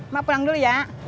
mak pulang dulu ya